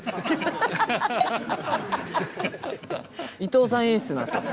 伊藤さん演出なんすよ。